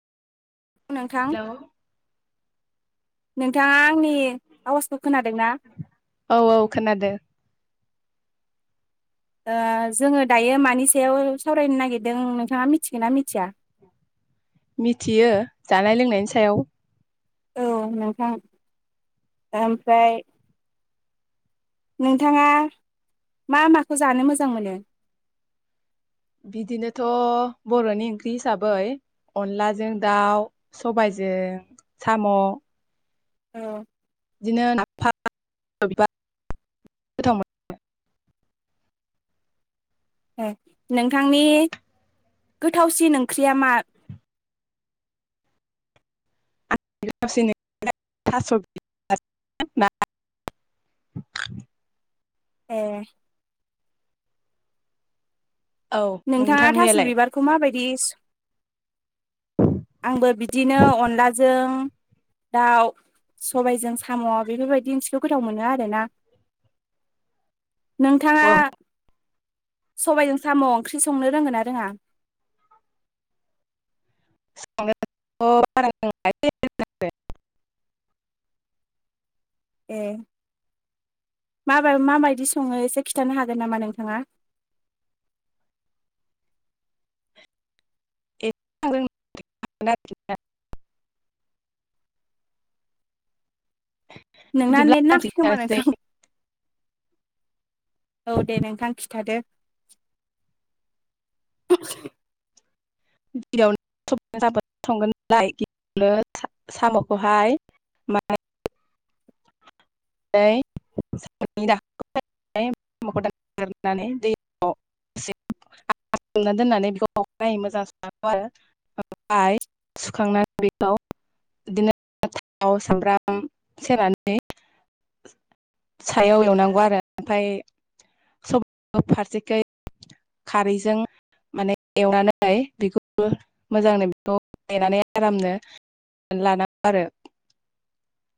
नोंथां औ नोंथाङा आंनि आवाजखौ खोनादोंना? औ औ खोनादों। ओ जोङो दायो मानि सायाव सावरायनो नागिरदों नोंथाङा मिथिगोन ना मिथिया? मिथियो जानाय लोंनायनि सायाव औ नोंथां ओमफ्राय नोंथाङा मा माखौ जानो मोजां मोनो? बिदिनोथ' बर'नि ओंख्रि हिसाबै अनलाजों दाउ सबायजों साम' औ बिदिनो नाफाम बिबार गोथाव मोनो ए नोंथांनि गोथावसिन ओंख्रिया मा गोथावसि ओख्रिया थास' ना ए औ नोंथाङा थास' नोंथांनियालाय बिबारखौ माबायदि आंबो बिदिनो अनलाजों दाउ सबायजों साम' बेफोरबायदि ओख्रिखौ गोथाव मोनो आरोना नोंथाङा सबायाइजों साम' ओंख्रि संनो रोंगोना रोङा? [inaudible] ए माबा माबायदि सङो एसे खिन्थानो हागोन नामा नोंथाङा [inaudible] [inaudible] [unintelligible] नोंना बिदिब्ला नेट नाङाखै खोमा नोंथां। औ दे नोंथां खिथादो। [unintelligible] साम'खौहाय [unintelligible] [unintelligible] [unintelligible] [unintelligible] सोमना दोननानै बेखौ अखानायै मोजां सुनागौ आरो। ओमफाय सुखांनानै बेखौ बिदिनो थाव सामब्राम सेरनानै सायाव एवनांगौ आरो ओमफाय सब फारसेखै खारैजों माने एवनानै बेखौबो मोजांनो बेखौ नेनानै आरामनो लानांगौ आरो।